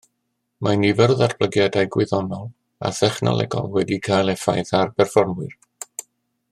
Mae nifer o ddatblygiadau gwyddonol a thechnolegol wedi cael effaith ar berfformwyr